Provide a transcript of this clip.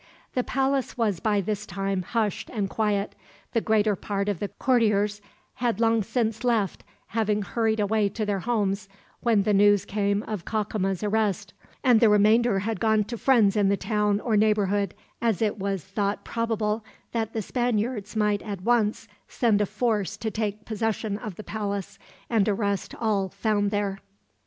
The palace was by this time hushed and quiet, the greater part of the courtiers had long since left, having hurried away to their homes when the news came of Cacama's arrest; and the remainder had gone to friends in the town or neighborhood, as it was thought probable that the Spaniards might, at once, send a force to take possession of the palace, and arrest all found there.